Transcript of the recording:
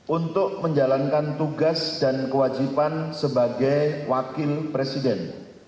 untuk menjalankan tugas dan kewajiban sebagai wakil presiden